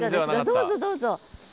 どうぞどうぞ。